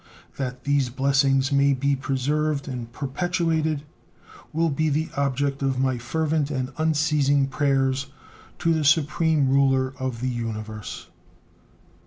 That these blessings may be preserved and perpetuated will be the object of my fervent and unceasing prayers to the Supreme Ruler of the Universe.